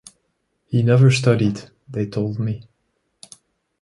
'He never studied', they told me.